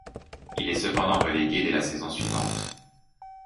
Il est cependant relégué dès la saison suivante.